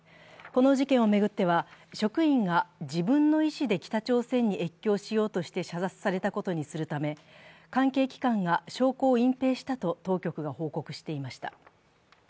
この事件を巡っては、職員が自分の意思で北朝鮮に越境しようとして射殺されたことにするため関係機関が証拠を隠蔽したと当局が報告していました。